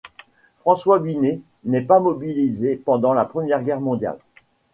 François Binet n'est pas mobilisé pendant la première Guerre mondiale.